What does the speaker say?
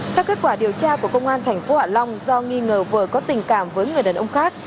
theo kết quả điều tra của công an tp hcm do nghi ngờ vợ có tình cảm với người đàn ông khác